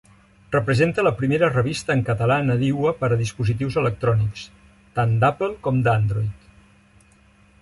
Representa la primera revista en català nadiua per a dispositius electrònics, tant d'Apple com d'Android.